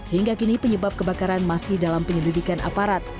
hingga kini penyebab kebakaran masih dalam penyelidikan aparat